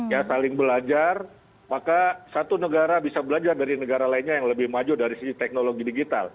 ya saling belajar maka satu negara bisa belajar dari negara lainnya yang lebih maju dari sisi teknologi digital